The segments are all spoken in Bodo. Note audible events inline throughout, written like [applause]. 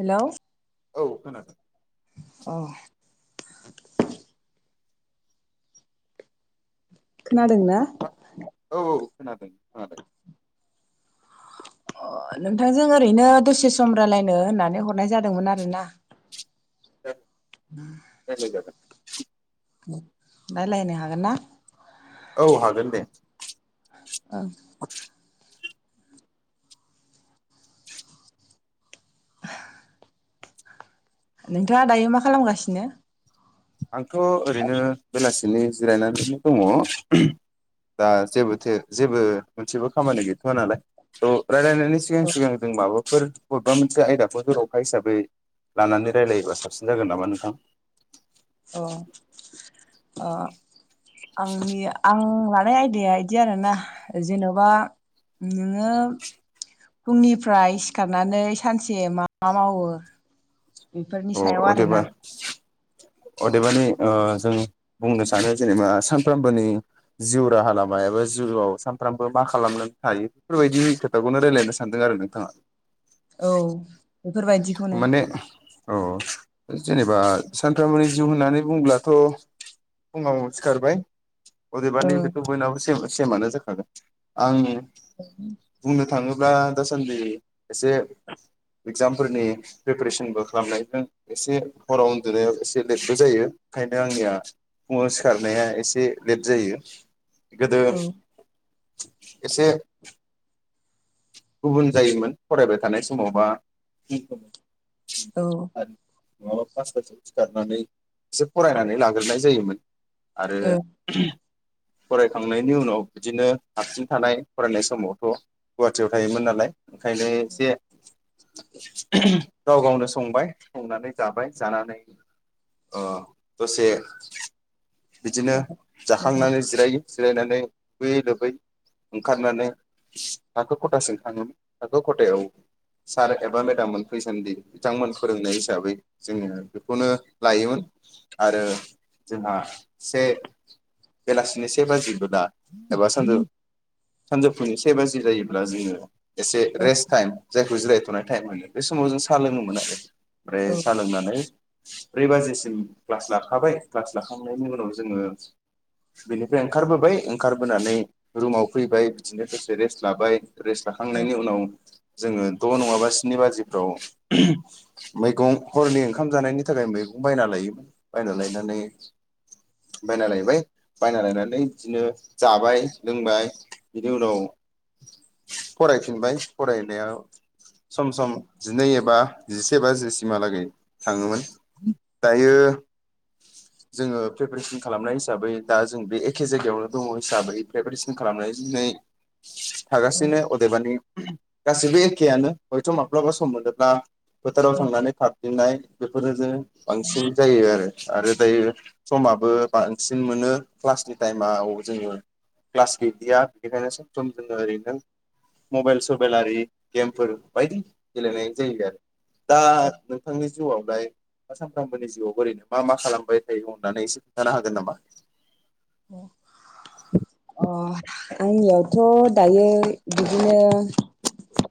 हेलौ औ खोनादों अ खोनादोंना मा औ औ खोनादों खोनादों [unintelligible] अ नोंथांजों ओरैनो दसे सम रायलायनो होननानै हरनाय जादोंमोन आरोना द राइलाय जागोन रायलायनो हागोन ना औ हागोन दे [inaudible] नोंथाङा दायो मा खालामगासिनो आंथ ओरैनो बेलासि दिनै जिरायनानैनो दङ उह दा जेबो थे जेबो मोनसेबो खामानि गैथ आ नालाय थ रायलायनायनि सिगां औ सिगां जों माबो फोर बबेबा मोनसे आयदाखौ जरखा हिसाबै लानानै रायलायोब्ला साबसिन जागोन नामा नों [inaudible] अ अ आंनि आं लानाय आयदाया इदि आरोना जेनबा नोङो फुंनिफ्राय सिखारनानै सानसे मा मा मावो बेफोरनि अ सायाव आरोना अदेबा अदेबानि ओ जों बुंनो सानो जेनेबा सानफ्रामबोनि जिउ राहा लामायाबो जिउआव सानफ्रामबो मा खालामनानै थायो बेफोरबायदि खोथाखौनो रायलायनो सानदों आरो नोंथाङा औ बेफोरबायदिखौनो माने [inaudible] औ अदेबानि बेथ' बयनावबो सेबो [inaudible] [inaudible] [inaudible] फोरनि प्रिपेरेसनबो खालामनायजों एसे हराव उन्दुनायाव एसे लेटबो जायो ओंखायनो आंनिया फुङाव सिखारनाया एसे लेट जायो गोदो औ एसे गुबुन जायोमोन फरायबाय थानाय समावबा [inaudible] औ नङाबा पासथा सोआव सिखारनानै एसे फरायनानै लाग्रोनाय जायोमोन आरो औ फरायखांनायनि उनाव बिदिनो हारसिं थानाय फरायनाय समावथ' गुवाहाटियाव थायोमोन नालाय ओंखायनो एसे गाव गावनो संबाय संनानै जाबाय जानानै दसे बिदिनो औ मोजां जाखांनानै जिरायो [inaudible] थाखो खथासिम थाङोमोन थाखो खथायायाव सार एबा मेदाम मोन फैसान्दि बिथांमोन फोरोंनाय हिसाबै जोङो बेखौनो लायोमोन आरो जोंहा से बेलासिनि से बाजिबो दला एबा सानजौ सानजौफुनि से बाजि जायोब्ला जोङो एसे औ रेस टाइम जाय जिरायथ'नाय टाइम मोन बे समाव जों साहा लोंङोमोन आरो औ ओमफ्राय साहा लोंनानै ब्रै बाजिसिम क्लास लाखाबाय क्लास लाखांनायनि उनाव जोङो बेनिफ्राय ओंखारबोबाय ओंखारबोनानै रुमाव फैबाय बिदिनो ससे रेस्ट जाबाय रेस लाखांनायनि उनाव जोङो द' नङाबा स्नि बाजिफ्राव मैगं हरनि ओंखाम जानायनि थाखाय मैगं बायना लायोमोन बायना लायनानै बायना लायबाय बायना लायनानै बिदिनो जाबाय लोंबाय बिनि उनाव फरायफिनबाय फरायनायाव सम सम जिनै एबा जिसे बाजिसिमहालागै थाङोमोन दायो जोङो प्रिपेरेसन खालामनाय हिसाबै दा जों बे एखे जायगायावनो दङ हिसाबै प्रिपेरेसन खालामनाय दिनै औ थागासिनो अदेबानि गासैबो एखेयानो हयथ' माब्लाबा सम मोनोब्ला फोथाराव औ थांनानै खारफेननाय बेफोरो ज बांसिन जायो आरो आरो दायो समाबो बांसिन मोनो क्लासनि टाइमाव जोङो क्लास गैलिया बेखायनो स सम जोङो ओरैनो मबेल सबेल आरि गेमफोर बायदि गेलेनाय जायो आरो दा नोंथांनि जिउआव लाय हा सानफ्रामबोनि जिउआव ओरैनो बा मा खालामबाय थायो अननानै एसे खोन्थानो हागोन नामा अ अ आंनियावथ' दायो बिदिनो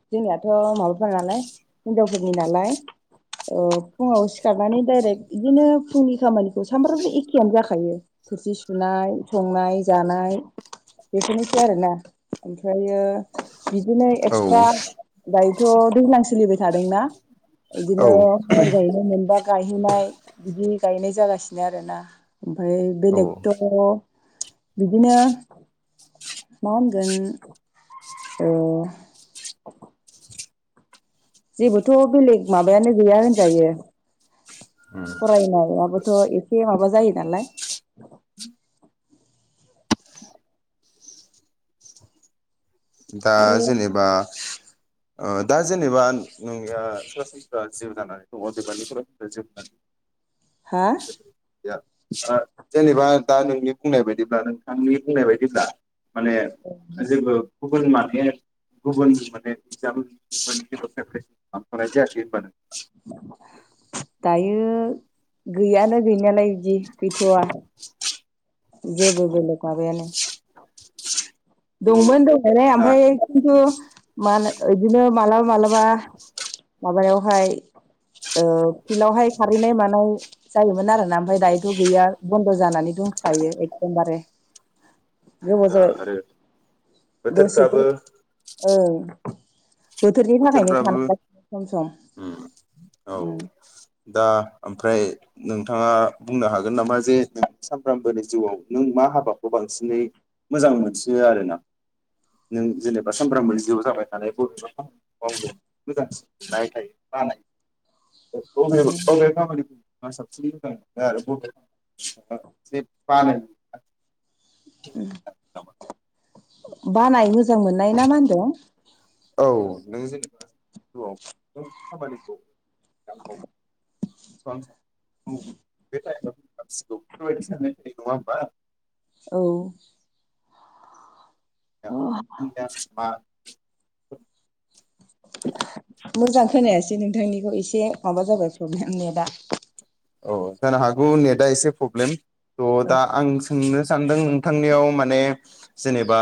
जोंनियाथ' माबाफोर नालाय हिनजावफोरनि नालाय ओ फुङाव सिखारनानै डायरेक्ट इदिनो फुंनि खामानिखौ सानफ्रामबो एखेयानो जाखायो थोरसि सु सुनाय संनाय जानाय बेफोरनोसै आरोना ओमफ्रायो बिदिनो औ एक्सट्रा दाय थ' दैज्लां सोलिबाय थादोंना औ इदिनो माइ गायनो मोनबा गायहैनाय बिदि गायनाय जागासिनो आरोना ओमफाय औ बेलेग बिदिनो मा होनगोन ओ जेबोथ' बेलेग माबायानो गैया होनजायो उम फरायनायाबोथ' एसे माबा जायो नालाय दा आरो जेनेबा ओ दा जेनेबा नोंनिया सरासनस्रा जिउ दानाय दङ अदेबानि सरासन्रा जिउ जा हा या ओ जेनेबा दा नोंनि बुंनाय बायदिब्ला नोंथांनि बुंनाय बायदिब्ला माने जेबो गुबुन माने गुबुन माने एगजाम [unintelligible] खालामथ'नाय जायाखै होनबा नों दायो गैयानो गै नायानो इदि गैथवा जेबो बेलेग माबायानो दंमोन दंनायलाय थ' आमफाय खिन्थु मा होनो ओ इदिनो मालाबा मालाबा माबायावहाय ओ फिल्डावहाय खारहैनाय मानाय जायोमोन आरोना ओमफाय दायोथ' गैया बन्द' जानानै दंखायो एखदमबारे गोबाव दा जाबाय आरो दसेबो बोथोरफ्राबो ओं बोथोरनि थाखायनो बोथोरफ्राबो थानांगासिनो सम सम औ ओम दा आमफ्राय नोंथाङा बुंनो हागोन नामा जे नों सामफ्रामबोनि जिउआव नों मा हाबाखौ बांसिनै मोजां मोनसियो आरोना नों जेनेबा सामफ्रामबोनि जिउआव जाबाय थानाय बबेबा खा मावनो मोजांसिन उम मोननाय थायो बानाय [unintelligible] [unintelligible] उम बानाय मोजां मोननाय ना मा होनदों? औ नों जेनेबा जिआव मा खामानिखौ बांसिन [unintelligible] मावो बे टाइमाव [unintelligible] नङा होमबा? औ [unintelligible] मोजां खोनायासै नोंथांनिखौ एसे माबा जाबाय प्रब्लेम नेटा। औ जानो हागौ नेटआ एसे प्रब्लेम। स' औ दा आं सोंनो सानदों नोंथांनियाव माने जेनेबा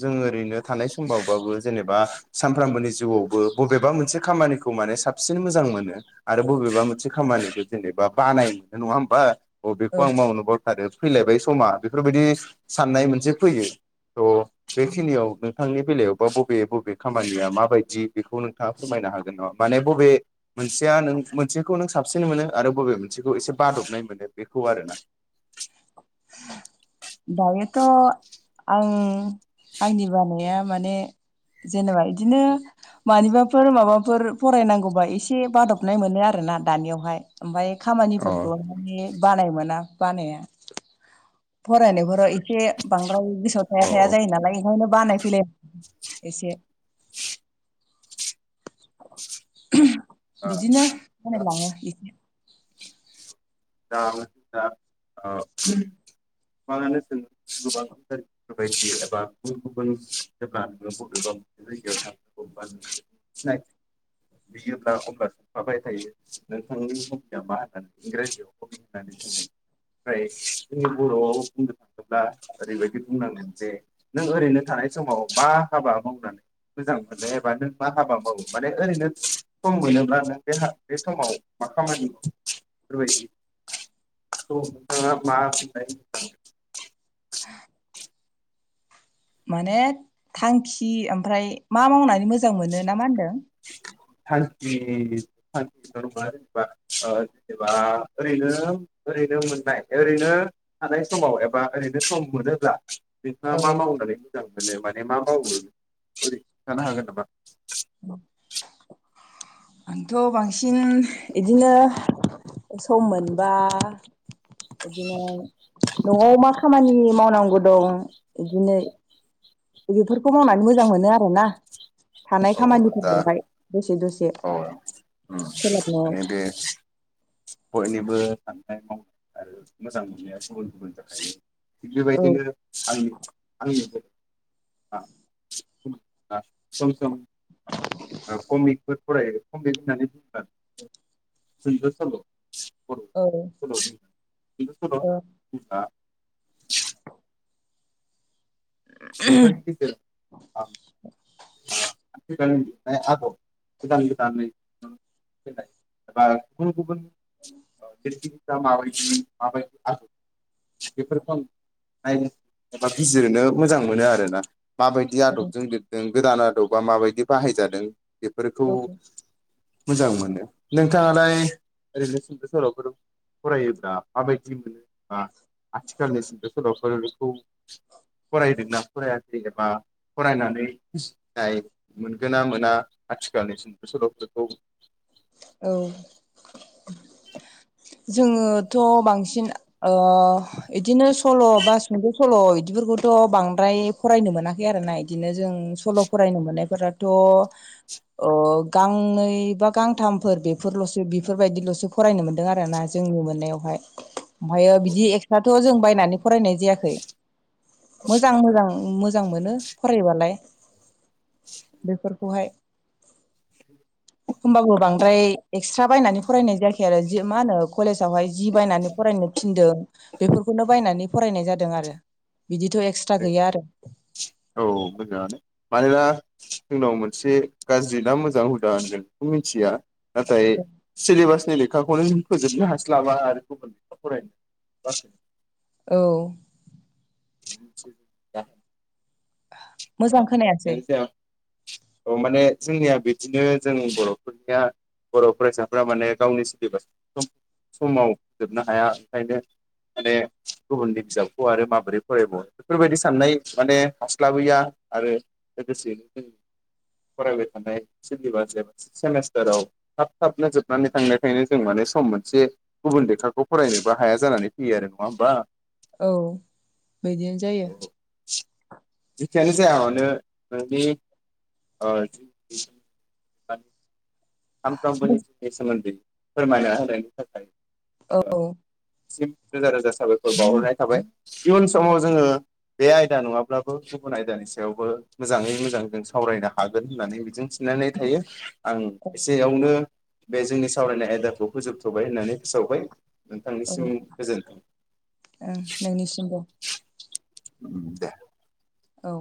जों ओरैनो थानाय समबावबाबो जेनेबा सानफ्रामबोनि जिउआवबो बबेबा मोनसे खामानिखौ माने साबसिन मोजां मोनो आरो बबेबा मोनसे खामानिखौ जेनेबा बानाय मोनो नङा होमबा? औ बेखौ आं मावनो बाथारो फैलायबाय समा बेफोरबायदि साननाय मोनसे फैयो। त' बेखिनियाव नोंथांनि बेलायावबा बबे बबे खामानिया माबायदि बेखौ नोंथाङा फोरमायनो हागोन नामा माने बबे मोनसेया नों मोनसेखौ नों साबसिन मोनो आरो बबे मोन सेखौ एसे बादबनाय मोनो बेखौ आरोना। दायोथ' आं आंनि बानाया माने जेनेबा इदिनो मानिबाफोर माबाफोर फरायनांगौबा एसे बादबनाय मोनो आरोना दानियावहाय ओमफाय अ खामानिफोरखौहाय माने बानाय मोना बानाया। फरायनायफोराव एसे बां द्राय गोसोआव थाया-थाया औ जायो नालाय ओंखायनो बानाय फैयो एसे। बिदिनो बालायलाङो इसे। दा नोंथांङा ओ [unintelligible] हबि होननानै बुङो ओमफ्राय जों बर'आव बुंनो थाङोब्ला ओरैबायदि बुंनांगोन जे नों ओरैनो थानाय समाव मा हाबा मावनानै मोजां मोनो एबा नों मा हाबा मावो माने ओरैनो सम मोनोब्ला नों बे -बे समाव मा खामानि बेफोरबायदि। [unintelligible] माने थांखि ओमफ्राय मा मावनानै मोजां मोनो ना मा होनदों? थांखि थांखिल' नङा जेनेबा ओ जेनेबा ओरैनो ओरैनो मोननाय ओरैनो थानाय समाव एबा ओरैनो नोंथाङा मा औ मावनानै मोजां मोनो मा ने मा मावो बोरै खोनथानो हागोन नामा? आंथ' बांसिन इदिनो सम मोनबा इदिनो न'आव मा खामानि मावनांगौ दं इदिनो बेफोरखौ मावनानै मोजां मोनो आरोना थानाय औ दा खामानिफोरखौहाय दसे दसे औ उम सोलाबनायाव माने बे बयनिबो साननाय-मावनाया आरो मोजां मोननाया गुबुन गुबुन जाखायो। औ बेबायदिनो आंनि आंनि [inaudible] जों कमिफो फरायो कमेट होननानै जोंथ' सल' औ औ [unintelligible] बेफोरनि गेजेराव आं गोदानै लिरनाय आदब गोदान गोदानै एबा गुबुन गुबुन औ माबायदि-माबायदि बेफोरखौ आं नायनो एबा बिजिरनो मोजां मोनो आरोना माबायदि आदबजों लिरदों गोदान आदबा माबायदि बाहायजादों बेफोरखौ औ मोजां मोनो नोंथाङालाय ओरैनो सुंद' सल'फोर फरायोब्ला माबायदि मोनो बा आथिखालनि सुंद' सल'फोरखौ फरायदोंना फरायाखै एबा फरायनानै बुजिनाय मोनगोन ना मोना आथिखालनि सुंद' सल'फोरखौ औ जोङोथ' बांसिन बिदिनो सल' बासिनोबो स सल' बिदिफोरखौथ' बांद्राय फरायनो मोनाखै आरोना बिदिनो जों सल' फरायनो मोननायफोराथ' गांनै बा गांथामफोर बेफोरल'सो बेफोरबायदिल'सो फरायनो मोनदों मोनदों आरोना जोंनि मोननायावहाय ओमफ्रायो बिदि एक्सट्राथ' जों बायनानै फरायनाय जायाखै मोजां मोजां। मोजां मोनो फरायबालाय बेफोरखौहाय होमबाबो बांद्राय एक्सट्रा बायनानै फरायनाय जायाखै आरो मा होनो कलेजावहाय जि बायनानै फरायनो थिनदों बेफोरखौनो बायनानै फरायनाय जादों आरो बिदिथ' एक्सट्रा गैया आरो औ मोजाङानो मानोना जोंनाव मोनसे गाज्रि ना मोजां हुदा होनगोन बेखौ मिथिया नाथाय सिलेबासनि लेखाखौनो जों फोजोबनो हास्लाबा आरो गुबुन लेखा फरायनो बास औ [unintelligible] मोजां खोनायासै बेनो जाया औ माने जोंनिया बिदिनो जों बर'फोरनिया बर' फरायसाफोरा माने गावनि सिलेबास समाव फोजोबनो हाया ओंखायनो माने गुबुननि बिजाबखौ आरो माबोरै फरायबावो बेफोरबायदि साननाय माने हास्लाबहैया आरो लोगोसेयैनो जों फरायबाय थानाय सिलेबास एबा सेमिस्टाराव थाब थाबनो जोबनानै थांनायखायनो जों माने सम मोनसे गुबुन लेखाखौ फरायनोबो हाया जानानै फैयो आरो नङा होमबा। औ बिदिनो जायो। सिगाङावनो नोंनि ओ [inaudible] सानफ्रोमबोनि जिउनि सोमोन्दै। फोरमायना होनायनि थाखाय। औ [unintelligible] रोजा रोजा साबायखर बावहरनाय थाबाय। इयुन समाव जोङो बे आयदा नङाब्लाबो गुबुन आयदानि सायावबो मोजाङै मोजां जों सावरायनो हागोन होननानै मिजिं थिनानै थायो आं। एसेयावनो बे जोंनि सावरायनाय आयदाखौ फोजोबथ'बाय होननानै फोसावबाय। औ नोंथांनिसिम ओं गोजोन्थों नोंनिसिमबो दे। औ